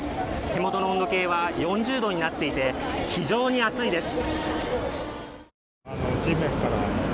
手元の温度計は４０度になっていて、非常に暑いです。